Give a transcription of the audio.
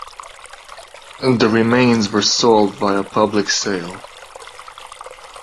The remains were sold via public sale.